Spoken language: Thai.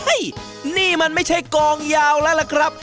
นี่มันไม่ใช่กองยาวแล้วล่ะครับ